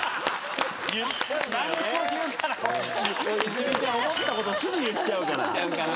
泉ちゃん思ったことすぐ言っちゃうから。